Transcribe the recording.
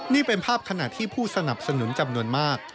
นี่เป็นภาพขณะที่ผู้สนับสนุนจำนวนมาก